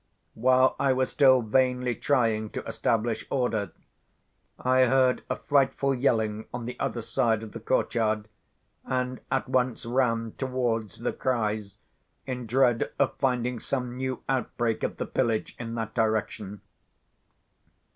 While I was still vainly trying to establish order, I heard a frightful yelling on the other side of the courtyard, and at once ran towards the cries, in dread of finding some new outbreak of the pillage in that direction.